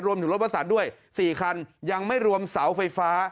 รวมถึงรถประสานด้วย๔คันยังไม่รวมเสาไฟฟ้า